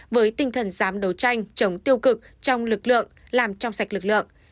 với tinh thần dám đấu tranh chống tiêu cực trong lực lượng làm trong sạch lực lượng